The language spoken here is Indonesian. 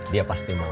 dia pasti mau